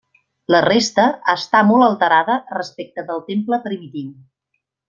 La resta està molt alterada respecte del temple primitiu.